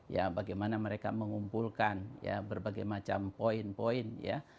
ya bagaimana mereka mengumpulkan ya berbagai macam poin poin ya